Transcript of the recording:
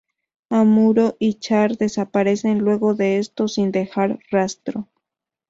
Amuro y Char desaparecen luego de esto sin dejar rastro.